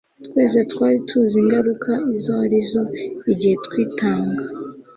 Twese twari tuzi ingaruka izo ari zo igihe twitanga